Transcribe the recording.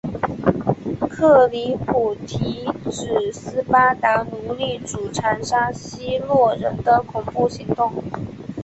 克里普提指斯巴达奴隶主残杀希洛人的恐怖行动。